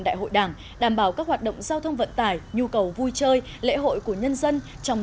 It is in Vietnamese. giao thông đảm bảo các hoạt động giao thông vận tải nhu cầu vui chơi lễ hội của nhân dân trong